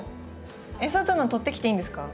えっ外の取ってきていいんですか？